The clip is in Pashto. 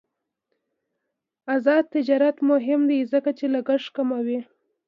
آزاد تجارت مهم دی ځکه چې لګښت کموي.